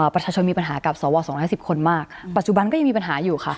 ประชาชนมีปัญหากับสว๒๑๐คนมากปัจจุบันก็ยังมีปัญหาอยู่ค่ะ